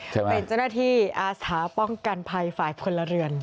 เป็นจนที่อาสาป้องกันภายฝ่ายคนละเรือน